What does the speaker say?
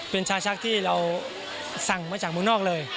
เป็นชาชักที่เราสั่งมาจากเมืองนอกเลย